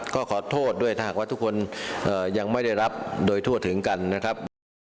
ก็ขอโทษด้วยถ้าหากว่าทุกคนยังไม่ได้รับโดยทั่วถึงกันนะครับ